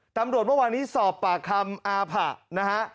ตำรวจว่าวันนี้สอบปากคำอาผะนะฮะ